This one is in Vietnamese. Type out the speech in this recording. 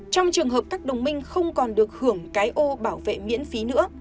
trong trường hợp các đồng minh không còn được hưởng cái ô bảo vệ miễn phí nữa